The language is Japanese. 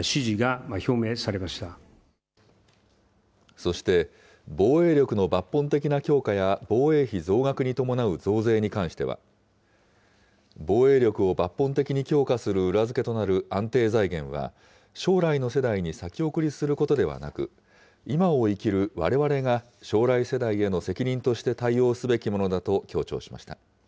そして、防衛力の抜本的な強化や、防衛費増額に伴う増税に関しては、防衛力を抜本的に強化する裏付けとなる安定財源は、将来の世代に先送りすることではなく、今を生きるわれわれが将来世代への責任として対応すべきものだと強調しました。